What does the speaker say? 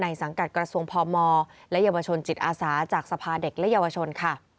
สังกัดกระทรวงพมและเยาวชนจิตอาสาจากสภาเด็กและเยาวชนค่ะ